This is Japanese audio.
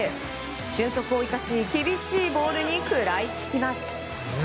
俊足を生かし厳しいボールに食らいつきます。